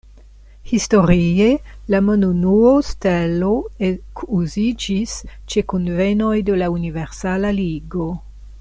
Historie, la monunuo stelo ekuziĝis ĉe kunvenoj de la Universala Ligo.